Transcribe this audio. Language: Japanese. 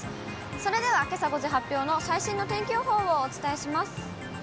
それでは、けさ５時発表の最新の天気予報をお伝えします。